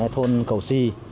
thôn cầu si